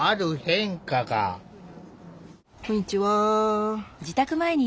こんにちは。